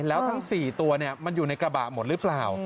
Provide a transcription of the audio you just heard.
แล้วทั้ง๔ตัวมันอยู่ในกระบะหมดหรือเปล่า